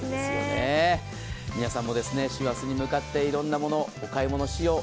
皆さんも師走に向かっていろんなもの、お買い物しよう。